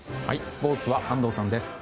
スポーツは安藤さんです。